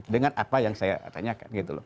dengan apa yang saya tanyakan gitu loh